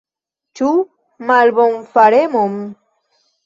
Ĉu malbonfaremon?